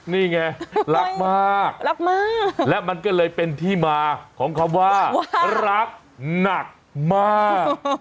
นี่ไงรักมากรักมากและมันก็เลยเป็นที่มาของคำว่ารักหนักมาก